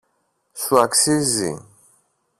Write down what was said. Σου αξίζει!